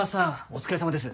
お疲れさまです。